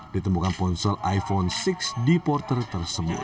ditemukan ponsel iphone enam di porter tersebut